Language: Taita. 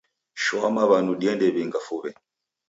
Shoa maw'anu diende w'inga fuw'e